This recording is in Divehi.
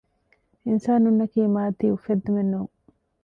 އިންސާނުންނަކީ މާއްދީ އުފެއްދުމެއްނޫން